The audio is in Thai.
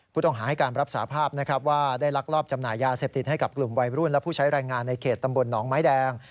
ผู้ต้องหาให้การรับสาภาพนะครับว่าได้ลักลอบจำหน่ายยาเสพติดให้กับกลุ่มวัยรุ่นและผู้ใช้แรงงานในเขตตำบลหนองไม้แดง